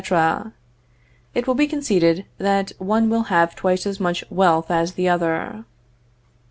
It will be conceded that one will have twice as much wealth as the other.